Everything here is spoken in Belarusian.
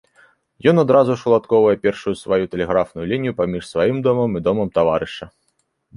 Ён адразу ж уладкоўвае першую сваю тэлеграфную лінію паміж сваім домам і домам таварыша.